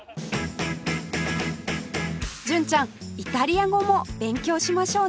純ちゃんイタリア語も勉強しましょうね